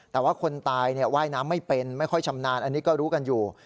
แต่ว่าคนตายว่ายน้ำไม่เป็นไม่ค่อยชำนาญอันนี้ก็รู้กันอยู่